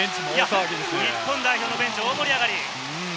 日本代表のベンチ、大盛り上がり。